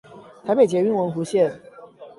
台北捷運文湖線